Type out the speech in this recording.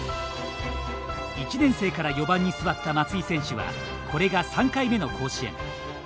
１年生から４番に座った松井選手はこれが３回目の甲子園。